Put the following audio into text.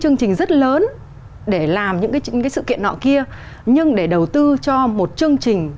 chương trình rất lớn để làm những cái sự kiện nọ kia nhưng để đầu tư cho một chương trình